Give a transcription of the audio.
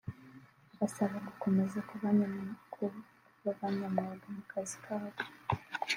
abasaba gukomeza kubaabanyamwuga mu kazi kabo